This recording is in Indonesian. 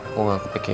aku gak kepikiran